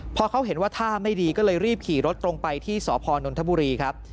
พอเขาเห็นว่าท่าไม่ดีก็เลยรีบขี่รถตรงไปที่สพนนทบุรีครับ